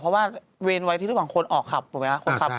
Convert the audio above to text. เพราะว่าเวรไว้ที่ระหว่างคนออกขับถูกไหมครับคนขับ